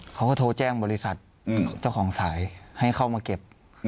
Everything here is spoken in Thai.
เขาก็โทรแจ้งบริษัทเจ้าของสายให้เข้ามาเก็บ